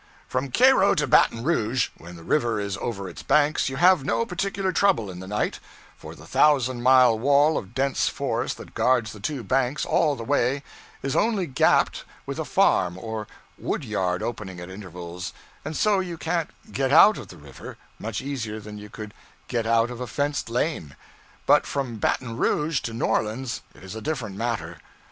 From Cairo to Baton Rouge, when the river is over its banks, you have no particular trouble in the night, for the thousand mile wall of dense forest that guards the two banks all the way is only gapped with a farm or wood yard opening at intervals, and so you can't 'get out of the river' much easier than you could get out of a fenced lane; but from Baton Rouge to New Orleans it is a different matter.